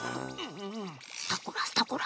スタコラスタコラ。